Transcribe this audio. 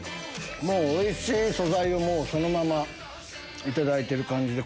おいしい素材をそのままいただいてる感じで。